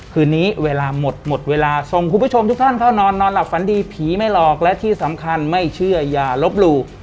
คืนนี้เวลาหมดหมดเวลาส่งคุณผู้ชมทุกท่านเข้านอนนอนหลับฝันดีผีไม่หลอกและที่สำคัญไม่เชื่ออย่าลบหลู่